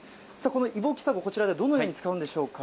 このイボキサゴ、こちらではどのように使うんでしょうか。